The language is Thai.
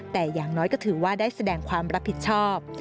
แต่อย่างน้อยก็ถือว่าได้แสดงความรับผิดชอบ